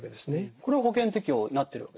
これは保険適用になってるわけですね？